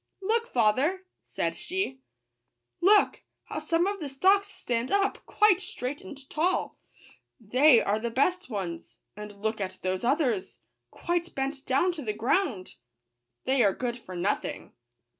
" Look, father !" said she ;" look, how some of the stalks stand up, quite straight and tall! — they are the best ones ; and look at those others, quite bent down to the ground !— they are good for nothing."